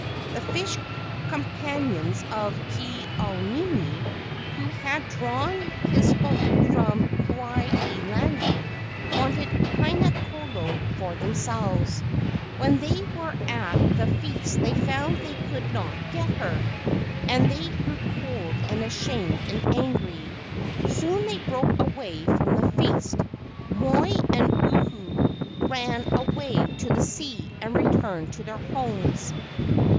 The fish companions of Ke au nini, who had drawn his boat from Kuai he lani, wanted Haina kolo for themselves. While they were at the feast they found they could not get her, and they grew cold and ashamed and angry. Soon they broke away from the feast. Moi and Uhu ran away to the sea and returned to their homes.